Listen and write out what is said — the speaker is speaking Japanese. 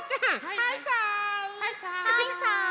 はいさい。